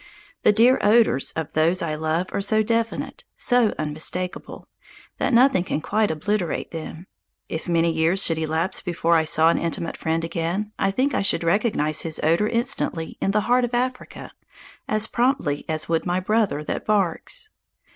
The dear odours of those I love are so definite, so unmistakable, that nothing can quite obliterate them. If many years should elapse before I saw an intimate friend again, I think I should recognize his odour instantly in the heart of Africa, as promptly as would my brother that barks.